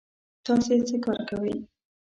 تاسې څه کار کوی؟